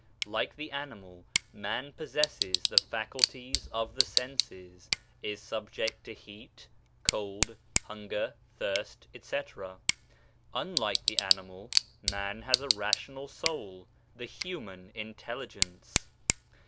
Like the animal, man possesses the faculties of the senses, is subject to heat, cold, hunger, thirst, etc. ; unlike the animal, man has a rational soul, the human intelligence.